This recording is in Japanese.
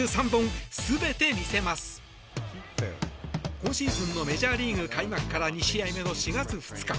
今シーズンのメジャーリーグ開幕から２試合目の４月２日。